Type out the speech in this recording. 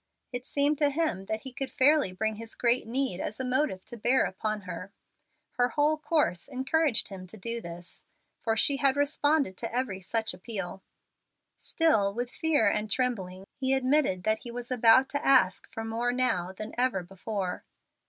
It seemed to him that he could fairly bring his great need as a motive to bear upon her. Her whole course encouraged him to do this, for she had responded to every such appeal. Still with fear and trembling he admitted that he was about to ask for more now than ever before.